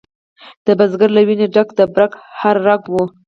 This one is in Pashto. د بزګر له ویني ډک د برګ هر رګ و